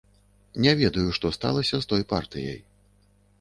Не ведаю, што сталася з той партыяй.